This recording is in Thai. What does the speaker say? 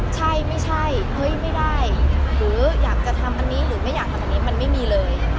ใช่ไม่ใช่เฮ้ยไม่ได้หรืออยากจะทำอันนี้หรือไม่อยากทำอันนี้มันไม่มีเลย